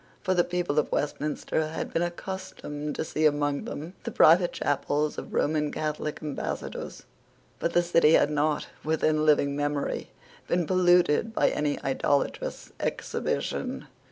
For the people of Westminster had been accustomed to see among them the private chapels of Roman Catholic Ambassadors: but the City had not, within living memory, been polluted by any idolatrous exhibition.